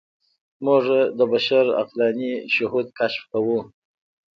موږ د بشر عقلاني شهود کشف کوو.